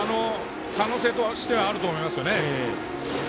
可能性としてはあると思いますね。